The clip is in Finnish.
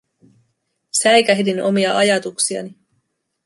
Säikähdin omia ajatuksiani.